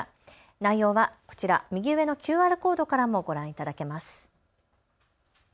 内容はこちら、右上のＱＲコードからもご覧いただけます。